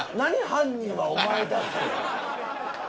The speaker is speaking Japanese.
「犯人はお前だ」って。